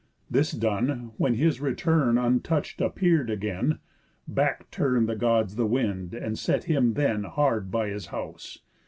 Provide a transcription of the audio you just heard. This done, When his return untouch'd appear'd again, Back turn'd the Gods the wind, and set him then Hard by his house.